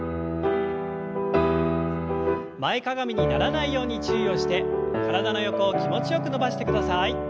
前かがみにならないように注意をして体の横を気持ちよく伸ばしてください。